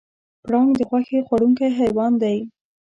پړانګ د غوښې خوړونکی حیوان دی.